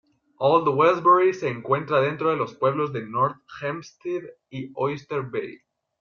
Old Westbury se encuentra dentro de los pueblos de North Hempstead y Oyster Bay.